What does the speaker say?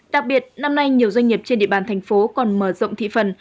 đặc biệt năm nay nhiều doanh nghiệp trên địa bàn thành phố còn mở rộng thị phần